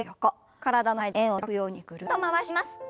体の前で円を描くようにぐるっと回します。